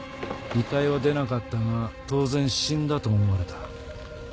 遺体は出なかったが当然死んだと思われた。